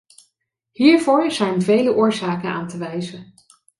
Hiervoor zijn vele oorzaken aan te wijzen.